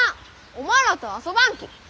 おまんらとは遊ばんき！